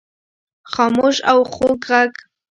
خاموش او خوږ ږغ